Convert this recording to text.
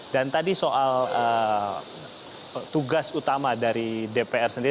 dan tadi soal tugas utama dari dpr sendiri